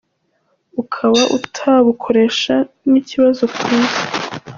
ukaba utabukoresha ni ikibazoTuzi.